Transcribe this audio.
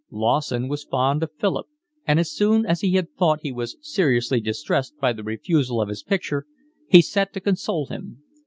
Lawson was fond of Philip and, as soon as he thought he was seriously distressed by the refusal of his picture, he set himself to console him.